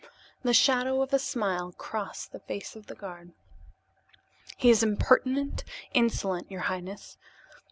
The shadow of a smile crossed the face of the guard. "He is impertinent, insolent, your highness.